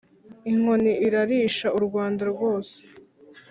inkoni irarisha u rwanda rwose